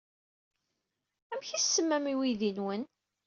Amek ay as-tsemmam i uydi-nwen?